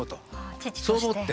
父として。